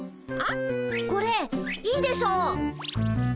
これいいでしょ。